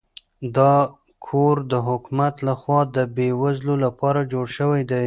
دا کور د حکومت لخوا د بې وزلو لپاره جوړ شوی دی.